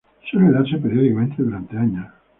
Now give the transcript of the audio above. Suele darse periódicamente durante años.